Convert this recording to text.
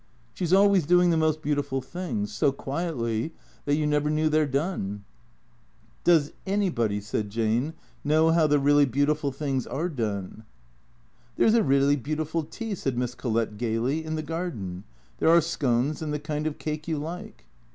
She 's always doing the most beautiful things, so quietly that you never knew they 're done." " Does anybody," said Jane, " know how the really beautiful things are done ?"" There 's a really beautiful tea," said Miss Collett gaily, " in the garden. There are scones and the kind of cake you like."